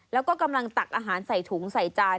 แล้วก็กำลังตักอาหารใส่ถุงใส่จาน